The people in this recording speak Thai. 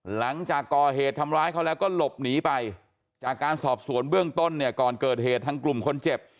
หลังจากก่อเหตุทำร้ายเขาแล้วก็หลบหนีไปจากการสอบสวนเบื้องต้นเนี่ยก่อนเกิดเหตุทางกลุ่มคนเจ็บ